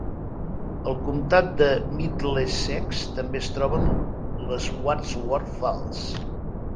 Al comtat de Middlesex també es troben les Wadsworth Falls.